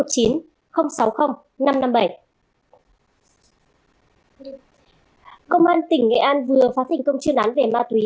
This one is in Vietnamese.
công an tỉnh nghệ an vừa phát hình công chuyên án về ma túy